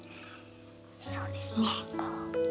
そうですねこう。